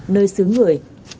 nơi xứ người